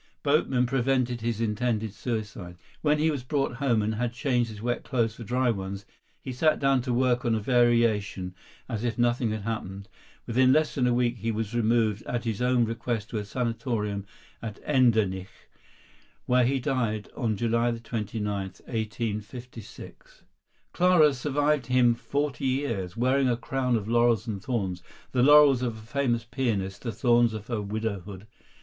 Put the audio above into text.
Boatmen prevented his intended suicide. When he was brought home and had changed his wet clothes for dry ones, he sat down to work on a variation as if nothing had happened. Within less than a week he was removed at his own request to a sanatorium at Endenich, where he died July 29, 1856. [Illustration: The Schumann Monument in the Bonn Cemetery.] Clara survived him forty years, wearing a crown of laurels and thorns—the laurels of a famous pianist, the thorns of her widowhood.